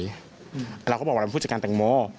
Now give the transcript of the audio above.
แล้วเราก็บอกว่าเป็นผู้จัดการแตงโม